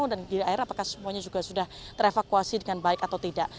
dan gili air apakah semuanya sudah ter evakuasi dengan baik atau tidak